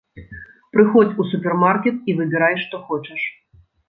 Прыходзь у супермаркет і выбірай, што хочаш.